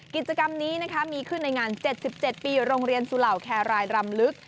กิจกรรมนี้มีขึ้นในงาน๗๗ปีโรงเรียนสุเหล่าแครรายรำลึก